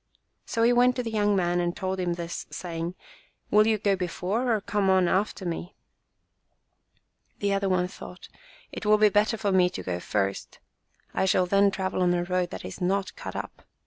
So he went to the young man and told him this, say ing, "Will you go before or come on after me ?" The other one thought, "It will be better for me to go first. I shall then travel on a road that is not cut up.